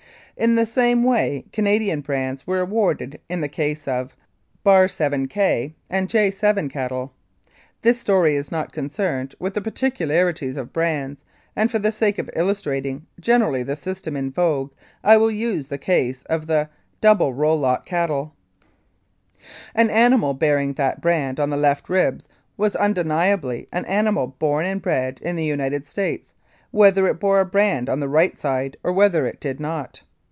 In the same way Cana dian brands were awarded in the case of yK and J7 cattle. This story is not concerned with the par ticularities of brands, and for the sake of illustrating generally the system in vogue I will take the case of the V cattle. An animal bearing that brand on the left ribs was undeniably an animal born and bred in the United States, whether it bore a brand on the right side or whether it did not.